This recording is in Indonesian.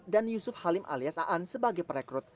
dan yusuf halim alias aan sebagai perekrut